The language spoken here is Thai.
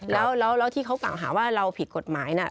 แล้วที่เขากล่าวหาว่าเราผิดกฎหมายนะ